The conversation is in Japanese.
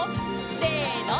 せの！